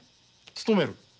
勤める？